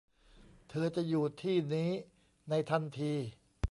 เธอจะอยู่ที่นี้ในทันที